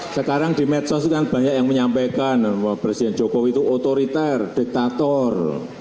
sekarang di medsos itu kan banyak yang menyampaikan bahwa presiden jokowi itu otoriter diktator